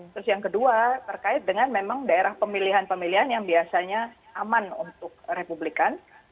terus yang kedua terkait dengan memang daerah pemilihan pemilihan yang biasanya aman untuk republikan